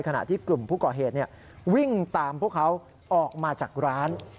ขณะที่กลุ่มผู้ก่อเหตุวิ่งตามพวกเขาออกมาจากร้าน